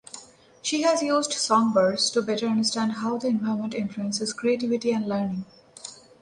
She has used songbirds to better understand how the environment influences creativity and learning.